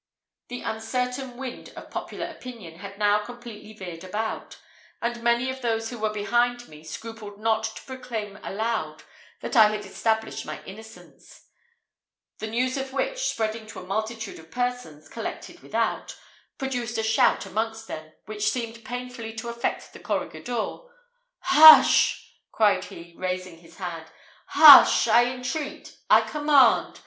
The uncertain wind of popular opinion had now completely veered about; and many of those who were behind me scrupled not to proclaim aloud that I had established my innocence, the news of which, spreading to a multitude of persons collected without, produced a shout amongst them, which seemed painfully to affect the corregidor. "Hush!" cried he, raising his hand, "Hush! I entreat I command!